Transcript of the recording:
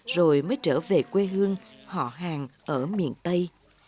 rồi mới trở về quê hương họ hàng ở miền tây